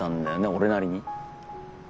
俺なりに。